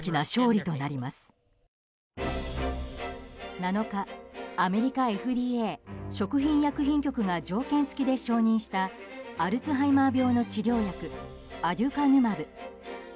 ７日、アメリカＦＤＡ・食品医薬品局が条件付きで承認したアルツハイマー病の治療薬アデュカヌマブ。